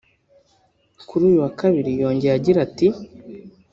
kuri uyu wa kabiri yongeye agira ati